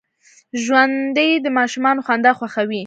ژوندي د ماشومانو خندا خوښوي